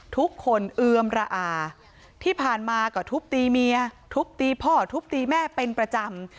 เอือมระอาที่ผ่านมาก็ทุบตีเมียทุบตีพ่อทุบตีแม่เป็นประจำ